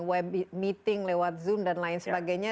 web meeting lewat zoom dan lain sebagainya